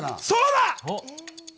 そうだ！